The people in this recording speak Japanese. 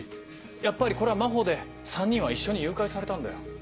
やっぱりこれは真帆で３人は一緒に誘拐されたんだよ。